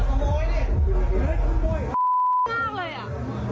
ก็มันขึ้นลำบากตกกันด้วยอ่ะ